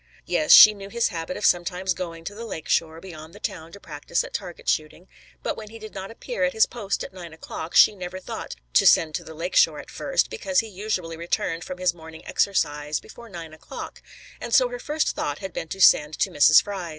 "Yes, she knew his habit of sometimes going to the lake shore beyond the town to practice at target shooting, but when he did not appear at his post at nine o'clock, she never thought to send to the lake shore at first, because he usually returned from his morning exercise before nine o'clock; and so her first thought had been to send to Mrs. Fry's."